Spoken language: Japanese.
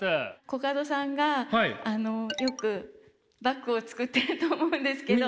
コカドさんがよくバッグを作ってると思うんですけど。